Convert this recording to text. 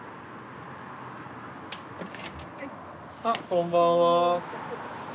あこんばんは。